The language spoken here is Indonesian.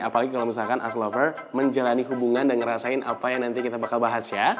apalagi kalau misalkan aslover menjalani hubungan dan ngerasain apa yang nanti kita bakal bahas ya